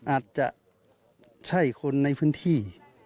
อาจจะใช่คนในพื้นที่